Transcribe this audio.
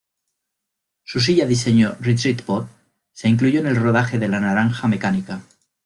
Su silla diseño "retreat pod" se incluyó en el rodaje de La Naranja Mecánica.